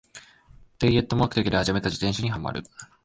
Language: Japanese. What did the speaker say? ダイエット目的で始めた自転車にハマる